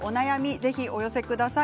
ぜひお寄せください。